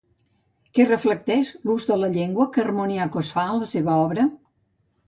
Què reflecteix l'ús de la llengua que Hermoniakos fa a la seva obra?